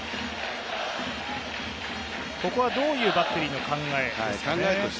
ここはどういうバッテリーの考えですか？